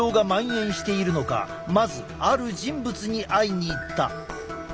まずある人物に会いに行った。